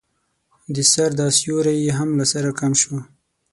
د سر دا سيوری يې هم له سره کم شو.